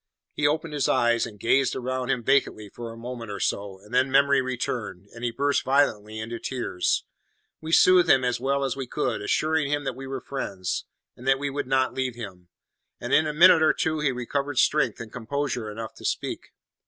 He opened his eyes, and gazed round him vacantly for a moment or so, and then memory returned, and he burst violently into tears. We soothed him as well as we could, assuring him that we were friends, and that we would not leave him; and in a minute or two he recovered strength and composure enough to speak.